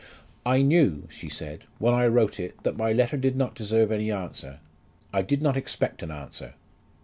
"I knew," she said, "when I wrote it, that my letter did not deserve any answer. I did not expect an answer."